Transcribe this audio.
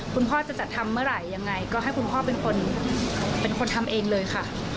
คุณพ่อจะจัดทำเมื่อไหร่ยังไงก็ให้คุณพ่อเป็นคนเป็นคนทำเองเลยค่ะ